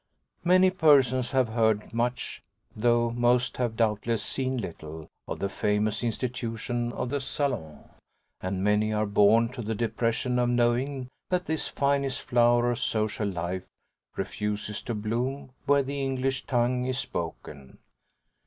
Many persons have heard much, though most have doubtless seen little, of the famous institution of the salon, and many are born to the depression of knowing that this finest flower of social life refuses to bloom where the English tongue is spoken.